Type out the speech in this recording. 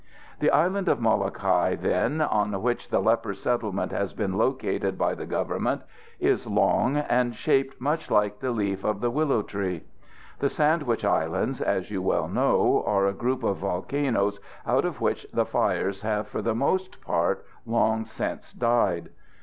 "The island of Molokai, then, on which the leper settlement has been located by the Government, is long, and shaped much like the leaf of the willow tree. The Sandwich Islands, as you well know, are a group of volcanoes out of which the fires have for the most part long since died.